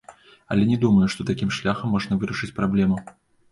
Але не думаю, што такім шляхам можна вырашыць праблему.